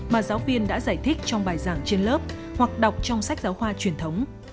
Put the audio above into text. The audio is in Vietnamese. mà giáo viên đã giải thích trong bài giảng trên lớp hoặc đọc trong sách giáo khoa truyền thống